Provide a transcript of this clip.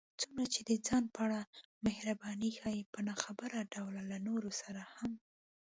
څومره چې د ځان په اړه محرباني ښيې، په ناخبره ډول له نورو سره هم